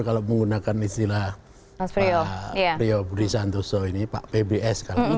kalau menggunakan istilah pak priyo budi santoso ini pak pbs kali ya